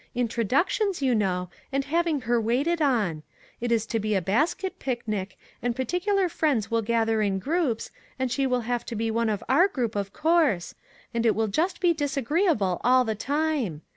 Introductions, you know, and having her waited on ; it is to be a basket picnic, and particular friends will gather in groups, aud she will have to be one of our group, of course, and it will just be disagreeable all the time.